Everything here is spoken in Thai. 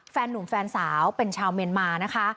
แฟนนุ่มแฟนสาวเป็นชาวเมียนมานะคะ